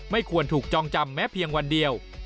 ไม่ควรถูกจองจำแม้เพียงวันเดียว